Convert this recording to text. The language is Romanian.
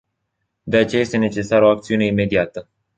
De aceea este necesară o acțiune imediată.